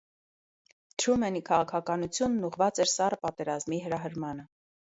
Թրումենի քաղաքականությունն ուղղված էր սառը պատերազմի հրահրմանը։